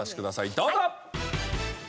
どうぞ！